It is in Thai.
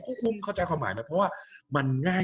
กับการสตรีมเมอร์หรือการทำอะไรอย่างเงี้ย